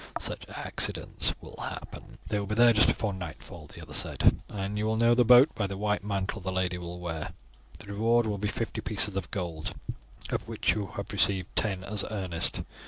Such accidents will happen." "They will be here just before nightfall," the other said, "and you will know the boat by the white mantle the lady will wear. The reward will be fifty pieces of gold, of which you have received ten as earnest.